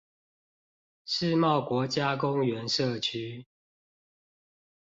世貿國家公園社區